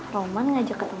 roman ngajak ketemuan sekarang